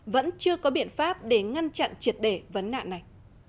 vẫn chưa có biện pháp để ngăn chặn triệt để vấn nạn này